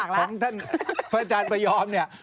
ของวัดวัดของท่านพระอาจารย์ประยอมเนี่ย